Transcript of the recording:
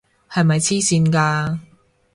係咪癡線㗎？